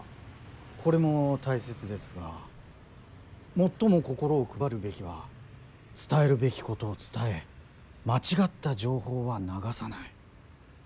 これも大切ですが最も心を配るべきは伝えるべきことを伝え間違った情報は流さない。